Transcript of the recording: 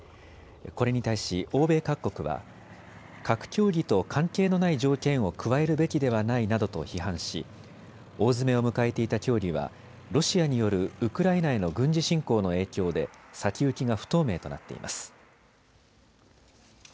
これに対し欧米各国は核協議と関係のない条件を加えるべきではないなどと批判し大詰めを迎えていた協議はロシアによるウクライナへの軍事侵攻の影響で先行きが不透明となっています。